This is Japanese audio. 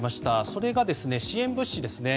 それが支援物資ですね。